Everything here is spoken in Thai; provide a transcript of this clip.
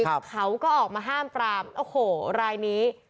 เขาก็ออกมาห้ามปรามโอ้โหรายนี้